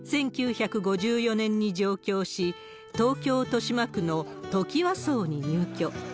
１９５４年に上京し、東京・豊島区のトキワ荘に入居。